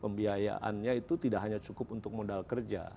pembiayaannya itu tidak hanya cukup untuk modal kerja